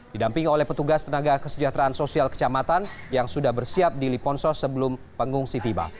didamping oleh petugas tenaga kesejahteraan sosial kecamatan yang sudah bersiap di liponsos sebelum pengungsi tiba